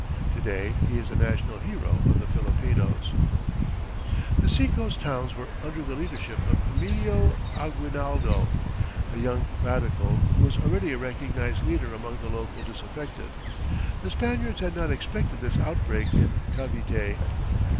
To day he is the national hero of the Filipinos. [Illustration: FORT SANTIAGO.] The seacoast towns were under the leadership of Emilio Aguinaldo, a young radical, who was already a recognized leader among the local disaffected. The Spaniards had not expected this outbreak in Cavite.